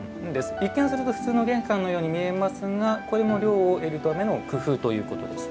一見すると普通の玄関のようにみえますがこれも涼を得るための工夫ということですね。